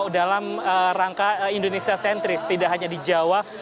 dalam rangka indonesia sentris tidak hanya di jawa